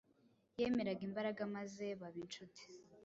yemera imbaraga maze baba inshuti